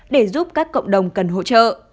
để giúp các cộng đồng cần hỗ trợ